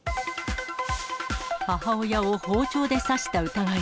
母親を包丁で刺した疑い。